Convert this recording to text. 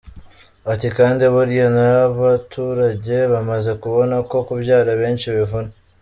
Ati “Kandi buriya n’abaturage bamaze kubona ko kubyara benshi bivuna.